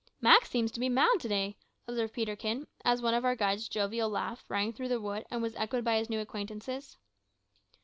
"Mak seems to be mad to day," observed Peterkin, as one of our guide's jovial laughs rang through the wood and was echoed by his new acquaintances.